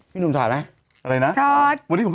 พี่หนุ่มถอดไหม